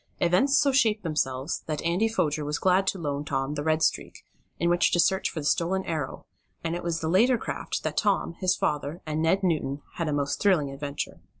Events so shaped themselves that Andy Foger was glad to loan Tom the Red Streak in which to search for the stolen Arrow, and it was in the later craft that Tom, his father and Ned Newton had a most thrilling adventure.